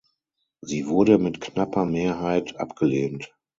Sie wurde mit knapper Mehrheit abgelehnt.